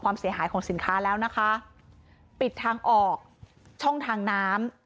ความเสียหายของสินค้าแล้วนะคะปิดทางออกช่องทางน้ำ